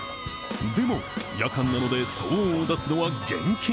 でも、夜間なので騒音を出すのは厳禁。